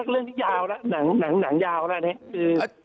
เรื่องหนังยาวแล้วคือ